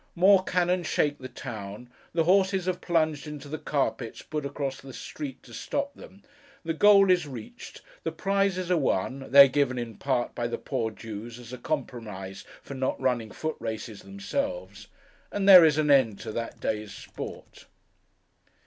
More cannon shake the town. The horses have plunged into the carpets put across the street to stop them; the goal is reached; the prizes are won (they are given, in part, by the poor Jews, as a compromise for not running foot races themselves); and there is an end to that day's sport.